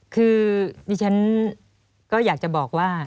คือดิฉันก็อยากจะบอกว่า